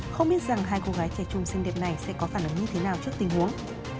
không biết rằng hai cô gái trẻ chung xinh đẹp này sẽ có phản ứng như thế nào trước tình huống